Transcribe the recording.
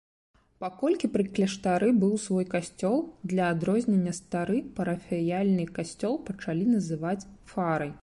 Паколькі пры кляштары быў свой касцёл, для адрознення стары парафіяльны касцёл пачалі называць фарай.